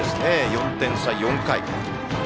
４点差、４回。